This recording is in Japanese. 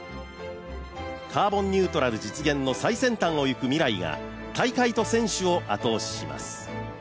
カーボンニュートラル実現の最先端を行くＭＩＲＡＩが大会と選手を後押しします。